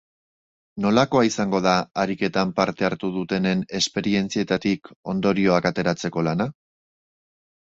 Nolakoa izango da ariketan parte hartu dutenen esperientzietatik ondorioak ateratzeko lana?